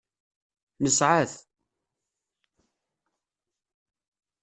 Nesɛa-t.